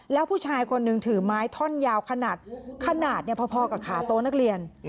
แล้วผู้ชายคนหนึ่งถือไม้ท่อนยาวขนาดพอกับขาโต๊ะนักเรียน